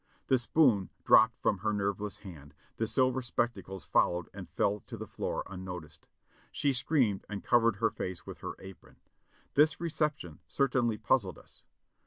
The spoon dropped from her nerveless hand, the silver spectacles followed and fell to the 6l8 JOHNNY REB AND BILLY YANK floor unnoticed. She screamed and covered her face with her apron. This reception certainly puzzled us.